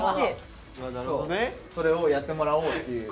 なるほどね。それをやってもらおうっていう。